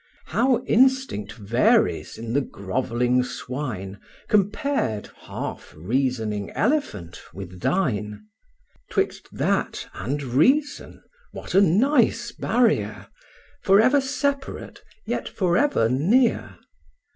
How instinct varies in the grovelling swine, Compared, half reasoning elephant, with thine! 'Twixt that, and reason, what a nice barrier, For ever separate, yet for ever near!